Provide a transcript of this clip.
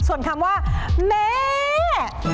ส่วนคำว่าแม่